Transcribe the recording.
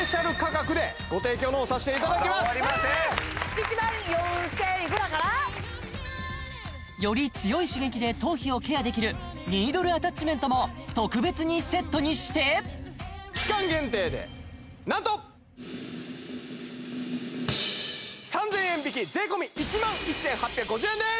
１万４０００いくらから！？より強い刺激で頭皮をケアできるニードルアタッチメントも特別にセットにして期間限定で何とっ３０００円引き税込１万１８５０円です！